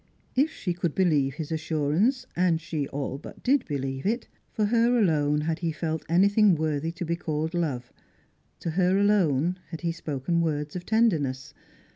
If she could believe his assurance (and she all but did believe it), for her alone had he felt anything worthy to be called love, to her alone had he spoken words of tenderness.